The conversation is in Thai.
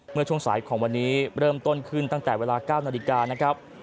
เมื่อช่วงสายของวันนี้เริ่มต้นขึ้นตั้งแต่เวลา๙นาฬิกานะครับ